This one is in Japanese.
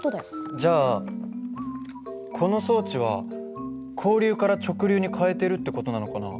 じゃあこの装置は交流から直流に変えてるって事なのかな。